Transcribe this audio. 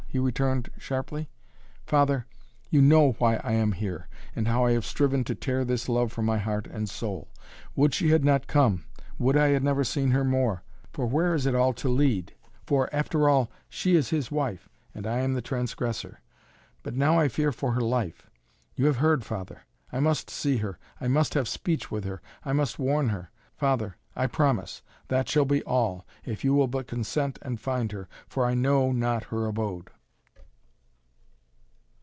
he returned sharply. "Father you know why I am here and how I have striven to tear this love from my heart and soul. Would she had not come! Would I had never seen her more for where is it all to lead? For, after all, she is his wife and I am the transgressor. But now I fear for her life. You have heard, Father. I must see her! I must have speech with her. I must warn her. Father I promise that shall be all if you will but consent and find her for I know not her abode."